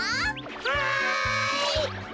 はい。